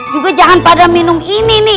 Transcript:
juga jangan pada minum ini nih